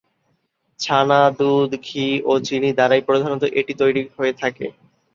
ছানা, দুধ, ঘি ও চিনি দ্বারাই প্রধানত এটি তৈরি হয়ে থাকে।